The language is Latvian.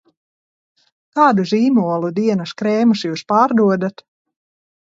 Kādu zīmolu dienas krēmus jūs pārdodat?